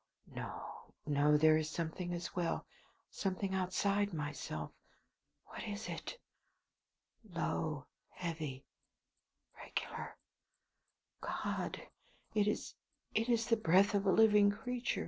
No, no! There is something as well, something outside myself. What is it? Low; heavy; regular. God! it is it is the breath of a living creature!